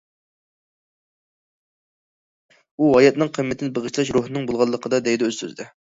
ئۇ، ھاياتنىڭ قىممىتى، بېغىشلاش روھىنىڭ بولغانلىقىدا، دەيدۇ ئۆز سۆزىدە.